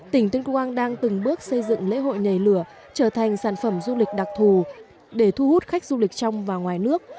tỉnh tuyên quang đang từng bước xây dựng lễ hội nhảy lửa trở thành sản phẩm du lịch đặc thù để thu hút khách du lịch trong và ngoài nước